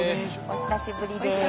お久しぶりです。